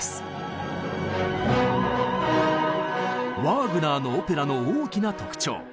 ワーグナーのオペラの大きな特徴。